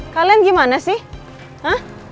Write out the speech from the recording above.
kalian gimana sih